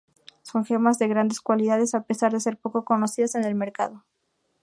Son gemas de grandes cualidades a pesar de ser poco conocidas en el mercado.